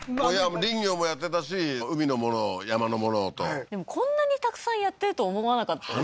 林業もやってたし海のもの山のものとでもこんなにたくさんやってると思わなかったです